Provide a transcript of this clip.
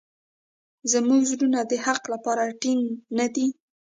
زموږ زړونه د حق لپاره ټینګ نه دي.